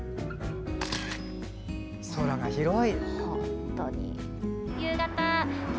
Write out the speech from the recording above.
空が広い。